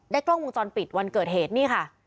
กล้องวงจรปิดวันเกิดเหตุนี่ค่ะ